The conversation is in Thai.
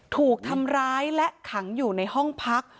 ถูกทำร้ายและขังอยู่ในห้องพัก